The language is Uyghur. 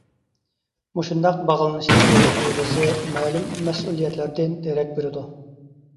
مۇشۇنداق باغلىنىشلىق بولۇش تۇيغۇسى مەلۇم مەسئۇلىيەتلەردىن دېرەك بېرىدۇ.